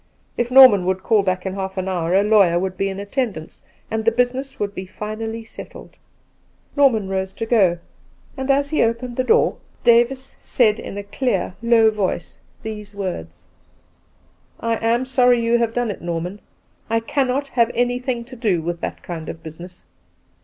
If Norman would call back in half an hour a lawyer would be in attendance, and the business would be finally settled. J^orpaan rose to go, and as he opened the door, Davis said 2i6 Two Christmas Days in a clear, low voice these words: "I am sorry you ' have done it, Norman. I cannot have any thing to do with that kind of business."